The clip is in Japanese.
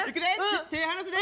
手離すで？